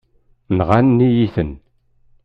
Nɣan-iyi-ten.